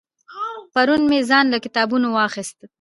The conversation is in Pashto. پرون مې ځان له کتابونه واغستل